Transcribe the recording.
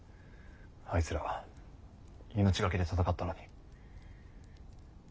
あいつら命懸けで戦ったのに。